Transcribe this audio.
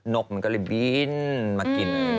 นกมันกดลิ้นบ้ีนมากิน